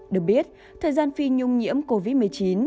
được biết thời gian phi nhung nhiễm covid một mươi chín